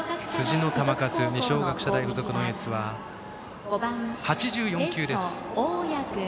辻の球数二松学舎大付属のエースは８４球です。